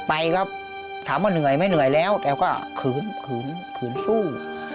ไปครับถามว่าเหนื่อยไหมเหนื่อยแล้วแต่ก็ขืนขืนขืนสู้